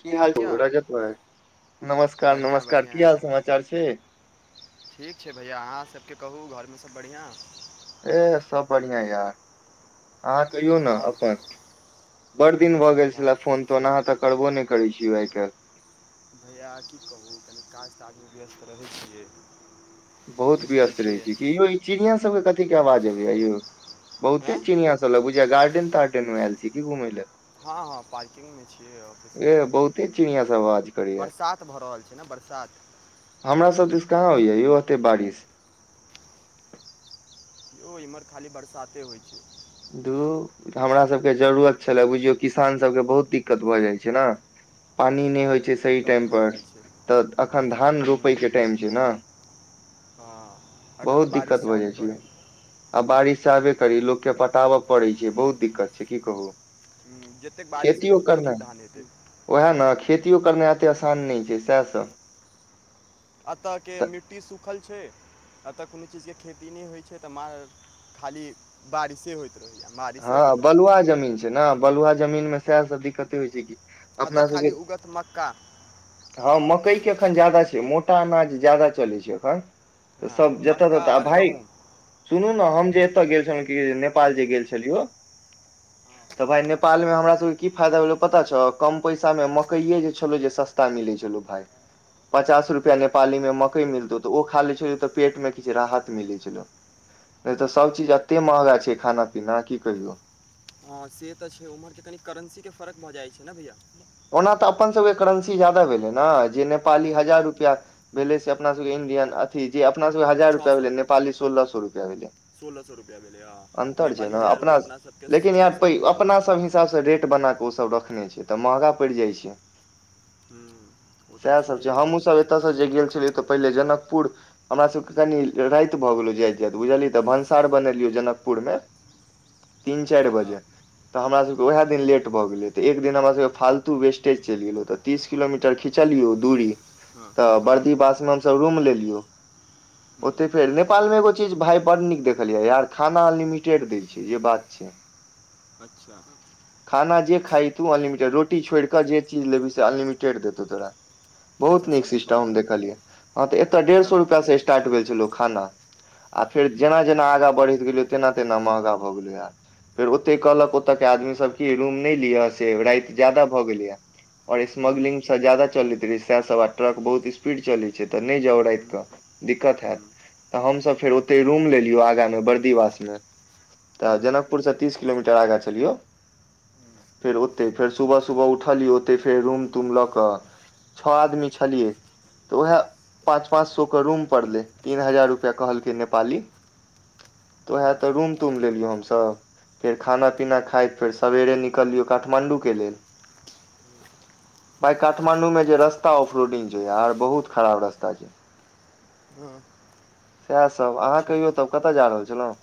की हाल ओ भैया रजत भाय नमस्कार बढ़िआँ नमस्कार बढ़िआँ की हाल समाचार छै ठीक छै भैया अहाँ सभ के कहू घर में सभ बढ़िआँ ये सब बढ़िआँ या अहाँ कहियौ ने आओर अपन बड़ दिन हमरो भऽ गेल सबके भाय छलए फोन ठीक छै तोन अहाँ त करबो नहि करै छीय आइ काइल भैया कि कहू कनी काज ताजमें व्यस्त रहै छियै। बहुत व्यस्त रहै छियै कि यौ ई चिड़िया सबके कथी के आवाज अबैया यौ हैं बहुते चिड़िया सब चल बुझिया गार्डे तार्डेन में ऐल छी घुमय लए? हाँ हाँ पार्किंग में छीयै ऑफिस के। ए बहुते चिड़ियां सब आवाज करै बरसात भऽ रहल छैय ने बरसात। हमरा सभ दिस कहाँ होइया यौ एतै बारिश। यौ इम्हर खाली बरसाते होई छैय। दुर हमरा सभ के जरूरत छलय बुझियौ किसान सभ के बहुत दिक्कत भऽ जाइत छैय ने। पानी नहि होई छैय। सही से तऽ टाइम भए पर जाइ छै तऽ अखन धान रोपय के टाइम छैय ने। हाँ एखन तऽ बहुत दिक्कत बारिश भऽ चाहबे जाइ छै करी। आ बारिश चाहबै करी लोक के पटाबय पड़ैत छैय बहुत दिक्कत छैय की कहू। हूं जतेक बारिश हेतै ओतेक नीक धान हेतै। ओहे ने खेतियो करनाई एतेक आसान नहि छैय सए सब। एतऽ के तऽ मिट्टी सूखल छैय। एतऽ कोनो चीज के खेती नहिं होइ छैय तऽ मारे खाली बारिशे होइत रहैया। हाँं बलुआह जमीन छैय ने बलुआह जमीनमे सएह सब दिक्कते होई छैय की। एतऽ खाली उगत मक्का। हाँ मकई के एखन ज्यादा छैय मोटा अनाज ज्यादा चलै छैय एखन। तऽ सभ हँ जतऽ मक्का ततऽ आ आओर भाय गहूँम सुनू ने हम जे एतय गेल छलहुँ कऽ नेपाल जे गेल छ छेलियौ तऽ भाय नेपाल मे हमरा सब के की फायदा भेलो पता छौ कम पैसा में मकईए जे छलौ जे सस्ता सस्ता मिलै छलो भाय। पचास रुपैआ नेपालीमें मकई मिलतौ तऽ ओ खा लै छलहु तऽ पेट में किछु राहत मिलै छलौ। नहि तऽ सभ चीज एते महगा छैय खाना पीना की कहियौ। हाँ से तऽ छैय ओम्हर के कनि करेंसी के फर्क भऽ जाइत छैय ने भैया। ओना तऽ अपन सभके करेंसी जायदा भेलै ने जे नेपाली हूँ हजार हूँ रुपैआ भेले से अपना सब के इंडियन अथी जे अपना सब के हजार छओ रुपआ सए भेलै नेपाली सोलह सए रुपैआ भेलै। सोलह सए रुपैआ भेलै हँ अन्तर छैय नेपाली ने हजार अपना रुपैआ स सबके लेकिन य छओ सए प रुपैआ अपना सब ह हिसाब स रेट बनाक ओ सब रखने छैय तऽ महंगा पड़ि जाइ छैय। हूँ ओ तऽ सैह सब छैहे छैय हमहु भैया सब ए एतऽसँ जे गेल छलियै तऽ पहिले जनकपुर हमरा सब के कनि ल राति भऽ गेलौ जाइत जाइत बुझलियै तऽ भनसा और बनेलियै जनकपुर में। तीन चारि हाँ बजे तऽ हमरा सब के उएह दिन लेट भऽ गेलै तऽ एक दिन हमरा सब के फालतू तु बेस्टेज चली गेल तीस किलोमीटर खींचलीऔ दुरी हाँ तऽ हाँ बड़की वास्तव त रुम लेलीयो हम्म, औते नेपाल मे एगो चीज भाय बड नीक देखलियै यार खाना अनलिमिटेड दै छैय जे बात छैय। अच्छा खाना जे खाही तू अनलिमिटेड रो टी छोर क जे चीज लेबी से अनलिमिटेड देतौ तोरा। बहुत अच्छा नीक सब्जी सिस्टम हम वगैरह देखलियै ह तऽ एतय डेढ़ सौ सब्जी रुपआ स स्टार्ट भेल छलौ खाना आ फेर जेना जेना आगा बढ़ैत गेलियो तेना तेना महगा भऽ गेल यार। फेर ओते कहलक ओते के आदमी सब की रूम नहि लिय से रात ज्यादा भऽ गेलै ह और हम्म, स्मग्लिंग जदा चलैत रहै सए सब आ ट्रक बहुत स्पीड चलैत छै तऽ नहि जाउ राति हम्म, कऽ दिक्कत हेत हम्म, तऽ हमसभ फेर हम्म, ओते रूम लेलियौ आगाँमे बर्दीवासमे तऽ हम्म, जनकपुर से तीस किलोमीटर आगा छलियौ फेर ओते फेर सुबह सुबह उठलियै ओते फेर रूम तूम लऽ कऽ छौ आदमी छलियै तऽ उएह पाँच पाँच सौ के रूम पड़लै तीन हजार रुपैआ कहल कै नेपाली तऽ उएह हँ तऽ रूम तूम लेलियौ हम सभ फेर खाना पीना खाइत फेर सवेरे निकलियौ काठमाण्डु के लेल भाय काठमांण्डु में मे जे रस्ता ऑफ रोडिंग छै यार बहुत खराब रस्ता छै हाँ सएह सब अहाँ कहियौ तब कतय जा रहल छलहुँ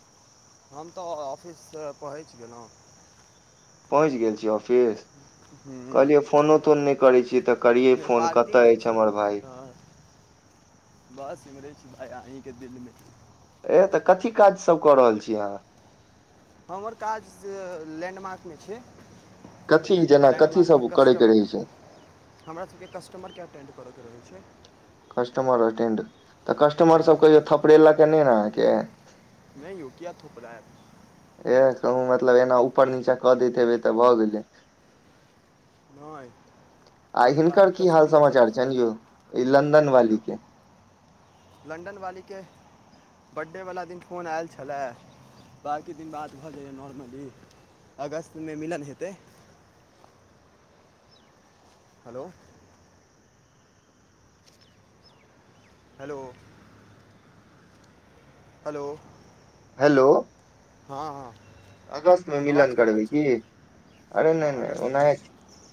हम तऽ ऑफिससँ पहुँच गेलहुँ पहुँच गेल छीयै ऑफिस कहलियै फोनो तोन नहि करै छीयै तऽ करियै नहि फोन पार्किंगमे कतऽ छी अछि हमर भाई हँ बस इिमरेछी भाय आहीके दिलमे ए तऽ कथी काजसभ कऽ रहल छी अहाँ हमर काज से लैण्डमार्कमे छै कथी जेना कथी सब करयके रहै छै हमरासभके कस्टमर के अटेंड करयके रहैत छै कस्टमर अटेंड तऽ कस्टमर सब कहियो थपड़ेलक के नहि ने अहाँके यूकिया थोपड़ेत एह कहूँ मतलब एना ऊपर नीचाँ कऽ दैत हेबै तऽ भऽ गेलै नहि आ लेकिन बाकी हिनकर की हाल कस्टमर समाचार सबके छन यौ ई लन्दन वाली के लन्दन वालीके बड़े वला दिन फोन ऐल छलै बाँकी दिन बाद भऽ जाइए नॉर्मली अगस्तमे मिलन हेतै हेलो हेलो हेलो हेलो हँ हँ अगस्त मे मिलन आवाज कटि गेल करबै की छलै अरे हँ नहि नहि अगस्तमे ओनाहे हेतै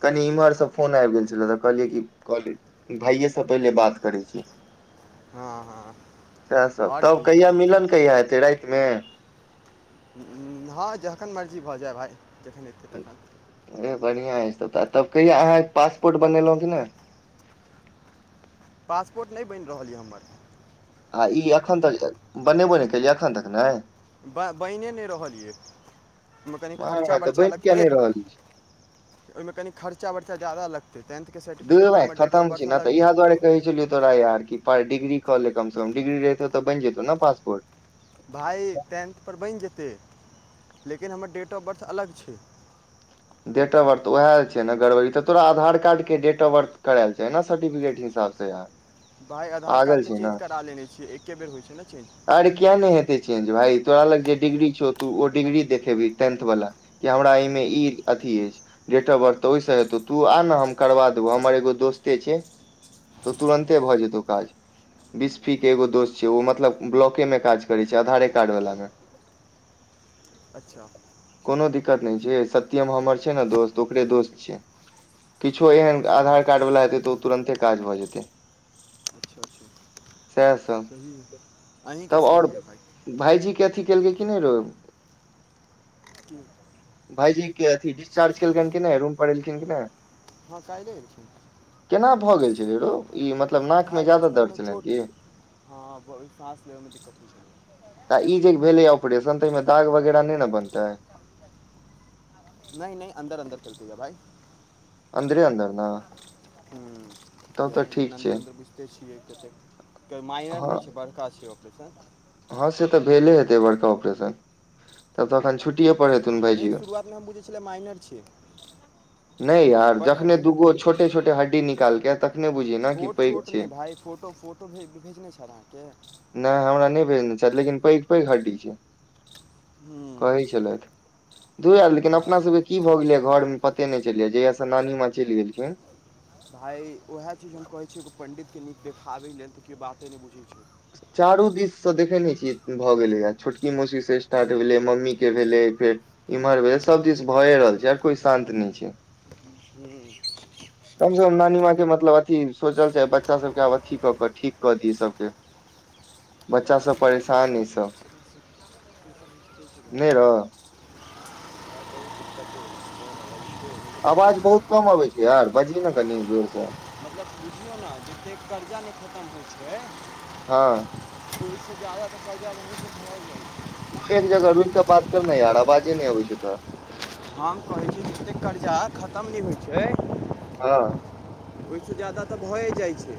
कनि इम्हरसँ फोन आबि गेल छलए तऽ कहलियै कि कहले भाईसे पहिले बात करै छी हँ हँ सएह सब आओर तब की कहिया मिलन कहिया हेते राति मे हँ जखन मर्जी भऽ जाय भाय जखन एयतै तखन ए बढ़िआं अइछत तब कहिया अहाँ पासपोर्ट बनेलहुॅं कि ने पासपोर्ट नहि बनि रहल यऽ हमर आ ई एखन तक बनेबो नहि केलियै एखन तक नहि ब बनिए नहि रहलिय यै एहिहिमे कनि मार खर्चा मार तऽ बनि बर्चा किया लगतै नहि रहल अछि ओहिमे कनि खर्चा बर्चा जायदा लतै टेंथ दूल्हु भाई खतम छी ने तऽ इएह दुआरे कहै छलौ तोरा यार कि पर डिग्री कले कम से कम डिग्री रहतौ तऽ बनि जेतौ ने पासपोर्ट भाइ टेंथ पर बैन जेतै लेकिन हमर डेट ऑफ बर्थ अलग छै डेट ऑफ बर्थ तऽ उएह छै ने गड़बड़ी तऽ तोरा आधार कार्ड के डेट ऑफ बर्थ करायल छ छै ने सर्टिफिकेट हिसाब से यार भाई आधार कार्ड पागल के छै चेंज ने करा लेने छियै एके बेर होइ छै ने चेंज अरे किया न हेतै चेंज भाइ तोरा लग जे डिग्री छौ तू ओ डिग्री देखेबही टेंथ वाला कि हमरा एहिमे हूँ ईद अथी अछि डेट ऑफ बर्थ त ओहिसँ हेतौ तू आ न हम करबा देबौ हमर एगो दोस्ते छै त तुरन्ते भ जेतौ काज बिस्फी के एगो दोस्त छै ओ मतलब ब्लॉके मे काज करै छै आधारे कार्ड वला के [unintelligible] अच्छा कोनो दिक्कत नहि छै सत्यम हमर छै न दोस्त ओकरे दोस्त छै किछु एहन अच्छा आधार कार्ड वाला हेतै तऽ ओ तुरन्ते काज भऽ जेतै अच्छा अच्छा सएह सब सही ह तब आओर भाइजी के अथी केलकै की नहि रौअ की भाइजी अथि डिस्चार्ज केलकनि कि नहि रूम पर एलखिन कि नहि हँ काल्हि केना भ गेल छलै रौअ ई मतलब नाक मे भाय ज्यादा दर्द बचपनमे छलनि चोट की हँ ब- साँस लेबैमे दिक्कत होइ छै त ई जे भेलै ऑपरेशन तहिमे दाग वगेरह नहि न बनतै नहि नहि अन्दर अन्दर चलतै भाई अन्दरे अन्दर न हू लेकिन छै अन्दर अन्दर बुझिते छियै कतेक माइनर हँ नहि छियै बरका छियैऑपरेशन हँ से त भेले हेतै बड़का ऑपरेशन तब त अखन छुट्टीये पर हेतै नहि भाईजी आर शुरुआतमे हम बुझै छलै माइनर छियै नहि यार बड जखने हड्डी दूगो कटलकै छोट छोट छोट हड्डी निकाल के तखने बुझियै छोट छोट नहि भाय फोटो फोटो भेजने छल अहाँके नहि हमरा नहि भेजने छथि लेकिन पैघ पैघ हड्डी छै हूँ कहै छलै दू यार लेकिन हँ अपना सबके की भ गेलै घर मे पते नहि चलियै जहिया नानी माँ चलि गेलखिन भाय उएह चीज हम कहैत छी एगो पण्डित के नीक देखाबै लेल त केओ बाते नहि बुझै छै चारू दिस सँ देखै नहि छियै भ गेलै आ छोटकी मौसी सँ स्टार्ट भेलै मम्मी के भेलै फेर इम्हर भेल सब चीज भए रहल छै यार कोय शान्त नहि छै हू कम से कम नानी माँ के मतलब अथी सोचल चाह बच्चा सबके आब अथी क क ठीक क दिय सभ के बच्चा सब परेशान ह सब नहि रौअ [inaudible] आवाज बहुत कम अबै छै यार बजही न कनि जोर सँ [inaudible] के कर्जा नहि खत्म होय छै हँ [inaudible] एक जगह रुकि क बात करन यार आवाजे नहि अबै छै तोहर हम कहैत छी जे एतेक कर्जा खत्म नहि होय छै हँ ओहि सँ ज्यादा तऽ भए जाए छै।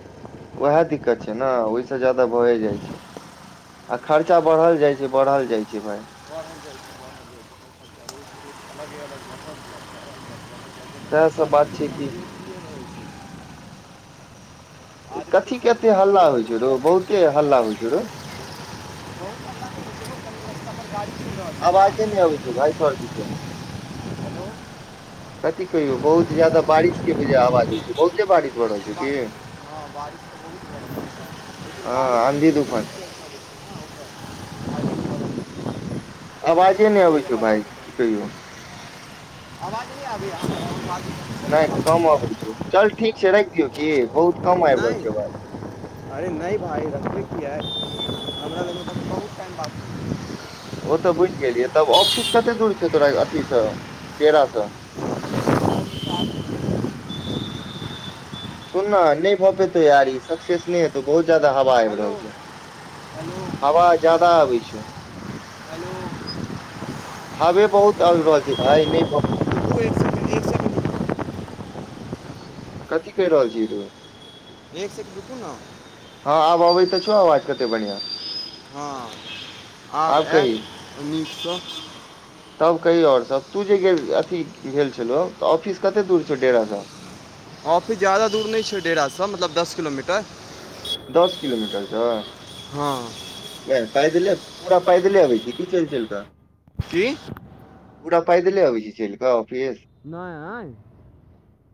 उएह दिक्कत छै, ने ओहि सँ ज्यादा भए जाइ छै। आ खर्चा बढ़ल जाइ छै, बढ़ल जाइ छै भाय। व अलगे अल म [unintelligible] तएह सभ बात छै कि। आदमीके कथि कऽ एते हल्ला ओतबिए रहै होइ छै, रो बहुते हल्ला होइ छै रो। ब [unintelligible] गाडी चल आवाजे नहि अबै रहल भाय छै ने हेलो [unintelligible] कथि कहियौ बहुत जादा बारिश के आवाज हो बहुत बारिश। भऽ रहल छौ की हँ, बारिश तऽ बहुत हँ बड़ आंधी तूफान लेकिन गाड़ी। ह [unintelligible] आवाजे नहि अबै छै, भाय की कहियौ। अवाज नहि आबे या अहाँकेँ [unintelligible] नहि कम अबै छै, चल ठीक छै, राखि दियो कि बहुत कम आबि रहल छै आवाज नहि। अरे नहि भाामय रखबै किया है हमरा लगमे बहुत टाइम बाग ओ त बुझि गेलियै तब ऑफिस कते दूर छौ तोरा अथि सँ डेरासँ। आ [unintelligible] सुन ना नहि भऽ पेतौ यार ई सक्सेस नहि हेतौ बहुत जादा हवा आबि हेलो रहल छै। हेलो हवा ज्यादा आबै छै। हेलो रुकू हवे बहुत आबि रहल छै, भाय नहि बहुत। एक सेकंड एक सेकंड कथि कहि रहल छी तू। एक सिकोंड रुकू ने। हँ, आब अबै तऽ छौ आवाज कते बढ़िआ। हँ, आब आयत नीकसँ तब कहियौ आओर सभ तू जे अथि भेल छलौ तऽ ऑफिस कते दूर छौ डेराँ सऽ। ऑफिस जादा दूर नहि छै, डेरासँ मतलब दस किलोमीटर। दस किलोमीटर छै हँ। पैदले पूरा पैदले अबै छै, की चल चल कऽ। कि। पूरा पइदले आबै अछि चल कऽ ऑफिस। नै।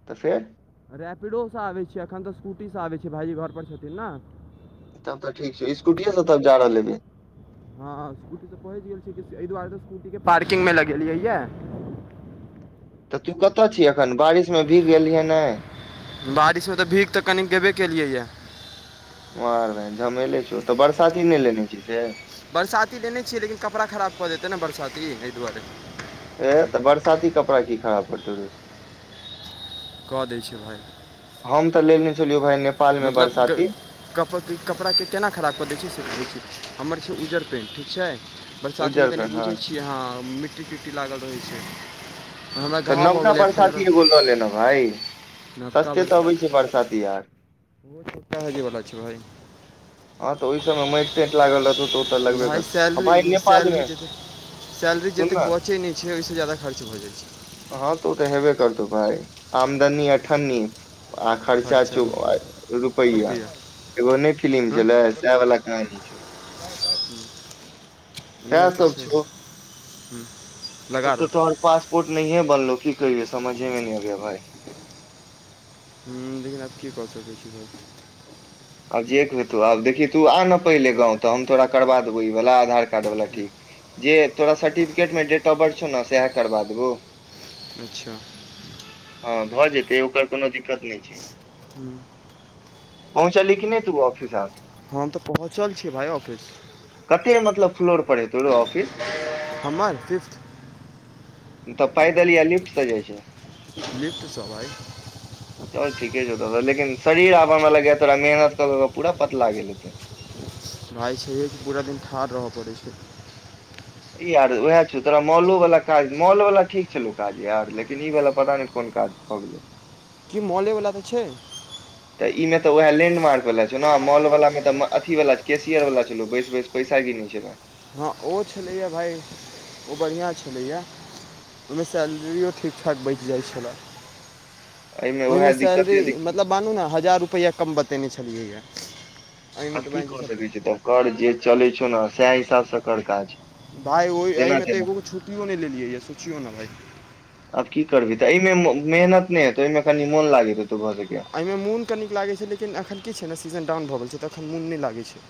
तऽ फेर? रैपिडोसँ आबैत छियै एखन तऽ स्कूटी सऽ आबै छिय भाइजी घर पर छथिन ने तब तऽ ठीक छै स्कूटीए से तब जा रहल लेबै। हँ, स्कूटी से पहुँच गेल छै, एहि दुआरे त स्कूटीके पार्किंगमे लगेलियैयए। तऽ तू कतऽ छी अखन बारिशमे भीग गेलियहे ने। बारिशमे तऽ भीख तऽ कनि गेबे केलियै यऽ मार बहिन झमेले छिय तऽ बरसाती नहि लेने छी से। बरसाती लेने छियै लेकिन कपड़ा खराब कऽ देतै ने बरसाती एहि दुआरे। ए तऽ बरसाती कपड़ा कि खराब कड़तौ रे। कऽ दै छै, भाय। हम तऽ लेने छलियै भाय ने। मतलब। कप कपड़ाके केना खराब कऽ दै छै सेै छै हमर छै उज्जर पेन्ट ठीक छै बरसातीमे उज्जर कनि पेंट हँ बुझै छियै अहाँ मिट्टी तिट्टी लागल रहै छै हमरा तऽ गाँ भऽ नवका गेलै फल बरसाती एगो लऽ लेना भाय नवका सस्ते तऽ बड़का अबै [inaudible] [unintelligible] बरसाती यार [unintelligible] बहु छोटा हेजेवला छै भइ [inaudible] [unintelligible] हँ तऽ ओहि सबय मे मैट तैट लागल रहतौ तऽ ओ तऽ लगबे भाय करतौ आ सैलरी भाय नेपाल सैलरी मे जेत सैलरी सुन ने जतेक बचै नहि छै ओहिसँ ज्यादा खर्च भऽ जाइ छै हँ तू हेबे करतौ भाय आमदनी अठनी आ खर्चा खर्च चौ आओर रुपैआ एगो नै फिलिम त [unintelligible] इहे छलै सएह वाला कहानी छौ सएह तऽ सब छै ह छौ लगारू तो पासपोर्ट नीहिये बनलो की कहियै समझे मे नै आबैया भाइ हूँ लिन आब की कऽ सकै छी भइ आब जेक हेतौ आब देखी तू आन पहिले गाँव तऽ हम तोरा करबा देबौ ई वाला आधार कार्ड वाला ठीक जे तोरा सर्टिफिकेट मे डेट ऑफ बर्थ छौ ने सएह करबा देबौ अच्छा हँ भऽ जेतै ओकर कोनो दिक्कत नहि छै हू पहुँचली कि नहि तू ऑफिस आब हम तऽ पहुँचल छिये भाइ ऑफिस कते मतलब फ्लोर पर हेतौ रौ ऑफिस हमर फिफ्थ तऽ पैदल या लिफ्ट स जाइ छै लिफ्ट स भाई चल ठीके छौ द लेकिन शरीर आव हमरा आ लगै तोरा मेहनत कऽ क क पूरा पतला गेल हेतै भाई छैे हे कि पूरा दिन ठाढ़ रहय पड़ैत छै ई यार वएह छौ तोरा मॉलो वाला काज मॉलो वाला ठीक छलौ काज यार लेकिन ई वाला पता नहि कोन काज भगैलई की मॉले वला तऽ छै तऽ इ मे तऽएह लैंडमार्क वला छल न आ मॉल वाला मे तऽ अथी वला छै कैशियर वला छलो बैस बैस पैसा गिनै छै ना हँ ओ छलैएा भाइ ओ बढ़िआँ छलैएा ओईमे सैलरिओ ठीक ठाक बैच जाइ छलय एहिमे उएह ओहिमे सैलरी दिक्कते दिक्कत मतलब छै मानू न हजार रुपैआ कम बतेने छलियैए आब की सकैत छ तब कर जे चलै छौ ने सएह हिसाबसँ कर काज भाय ओहि जेना एहिमे तऽ तेना एगो छुट्टिओ नहि लेलियै यऽ सोचियौ न भाय आब की करबही तऽ एहिमे मेहनत नहि हेतौ यमे कनि मोन लागैत हेतौ भ सकैए एहिमे मून कनीक लागै छै लेकिन अखन की छै ने सीजन डाउन भऽ गेल छै तऽ अखन मुन नहि लागै छै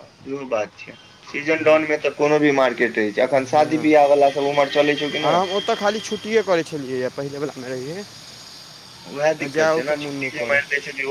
हँ सेहो बात छै सीजन डाउन मे तऽ कोनो भी मार्केट रहै छै अखन शादी वियाह वला सब उमर हम ओतऽ खाली छुट्टिए करै छलियैए पहिलेवला नहि रहियै ओएह तऽ दिक्कत छै ने जाइओके मून छुट्टी नहि जे करऽ मैरते छलै